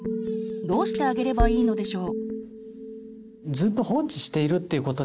どうしてあげればいいのでしょう？